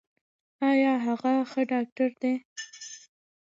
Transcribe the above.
ایا هغه ښه ډاکټر دی؟